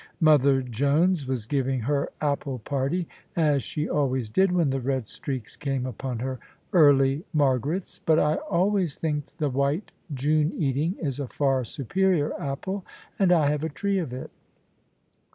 Mother Jones was giving her apple party; as she always did when the red streaks came upon her "Early Margarets." But I always think the White Juneating is a far superior apple: and I have a tree of it.